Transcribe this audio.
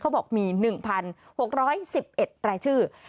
บอกมี๑๖๑๑รายชื่อ